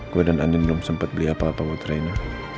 gue dan anin belum sempet beli apa apa buat rena